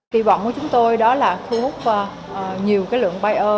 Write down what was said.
kỳ vọng của chúng tôi đó là thu hút nhiều cái lượng bài ơ